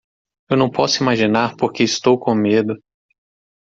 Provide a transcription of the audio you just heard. Eu não posso imaginar porque estou com medo